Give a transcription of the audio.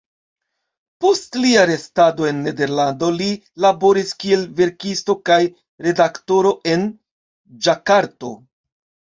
Post lia restado en Nederlando li laboris kiel verkisto kaj redaktoro en Ĝakarto.